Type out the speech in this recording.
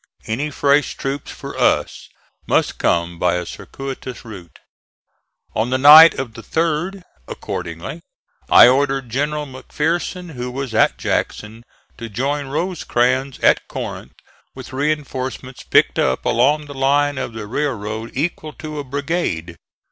Any fresh troops for us must come by a circuitous route. On the night of the 3d, accordingly, I ordered General McPherson, who was at Jackson, to join Rosecrans at Corinth with reinforcements picked up along the line of the railroad equal to a brigade.